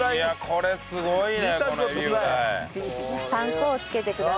これはすごいよ。